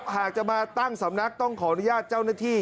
หากจะมาตั้งสำนักต้องขออนุญาตเจ้าหน้าที่